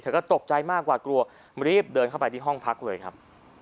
ก็ตกใจมากกว่ากลัวรีบเดินเข้าไปที่ห้องพักเลยครับ